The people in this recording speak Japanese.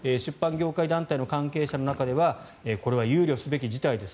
出版業界団体の関係者の中ではこれは憂慮する事態です